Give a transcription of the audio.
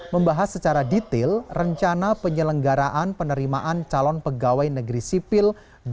membahas secara detail rencana penyelenggaraan penerimaan calon pegawai negeri sipil dua ribu dua puluh